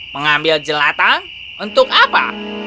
mengambil jelatang untuk apa